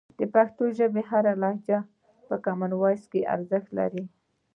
د پښتو ژبې هره لهجه په کامن وایس کې ارزښت لري.